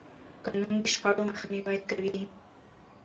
قانون د شخړو مخنیوی کوي.